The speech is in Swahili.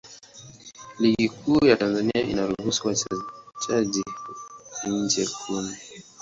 Ligi Kuu ya Tanzania inaruhusu wachezaji wa nje kumi.